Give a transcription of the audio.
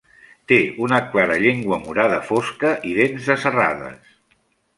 Té una clara llengua morada fosca i dents de serrades.